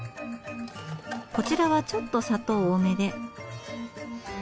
こちらはちょっと砂糖多めで。